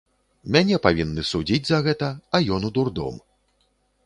Мяне павінны судзіць за гэта, а ён у дурдом.